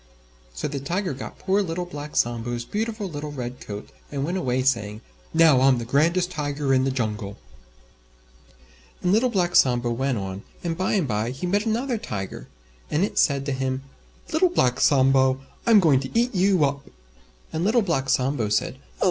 So the Tiger got poor Little Black Sambo's beautiful little Red Coat, and went away saying, "Now I'm the grandest Tiger in the Jungle." And Little Black Sambo went on, and by and by he met another Tiger, and it said to him, "Little Black Sambo, I'm going to eat you up!" And Little Black Sambo said, "Oh!